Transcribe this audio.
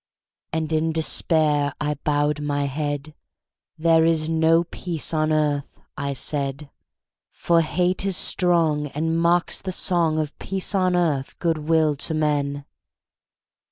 And in despair I bowed my head; "There is no peace on earth," I said: "For hate is strong, And mocks the song Of peace on earth, good will to men!"